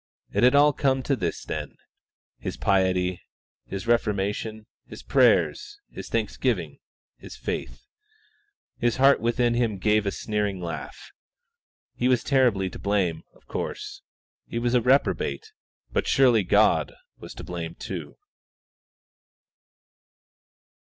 It had all come to this, then his piety, his reformation, his prayers, his thanksgiving, his faith. His heart within him gave a sneering laugh. He was terribly to blame, of course he was a reprobate; but surely God was to blame too!